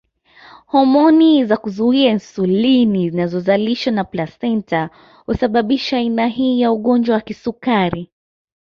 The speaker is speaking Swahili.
Homoni za kuzuia insulini zinazozalishwa na plasenta husababisha aina hii ya ugonjwa wa kisukari